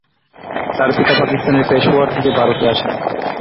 তার পিতা পাকিস্তানের পেশোয়ার থেকে ভারতে আসেন।